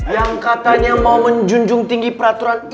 yang katanya mau menjunjung tinggi peraturan